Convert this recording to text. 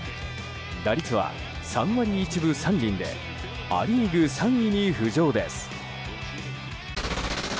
打率は３割１分３厘でア・リーグ３位に浮上です。